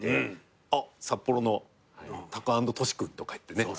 あっ札幌のタカアンドトシ君とか言ってね。